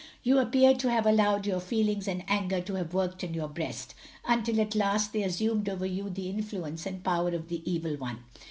You appear to have allowed your feelings and anger to have worked in your breast, until at last they assumed over you the influence and power of the Evil One.